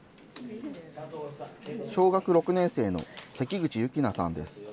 小学６年生の関口喜なさんです。